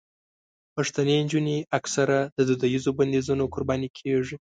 پښتنې نجونې اکثره د دودیزو بندیزونو قرباني کېږي.